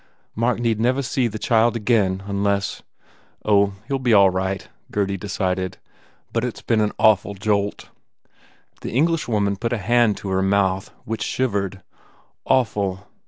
"Mark need never see the child again unless " "Oh, he ll be all right," Gurdy decided, "but it s been an awful jolt." The Englishwoman put a hand to her mouth which shivered. "Awful